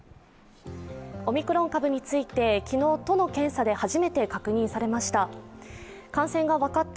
オミクロン株について昨日、都の検査で初めて確認されました。